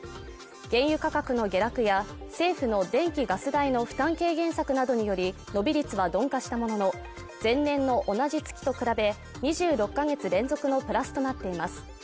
原油価格の下落や政府の電気ガス代の負担軽減策などにより伸び率は鈍化したものの、前年の同じ月と比べ２６か月連続のプラスとなっています。